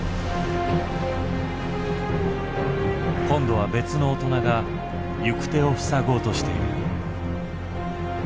今度は別の大人が行く手を塞ごうとしている。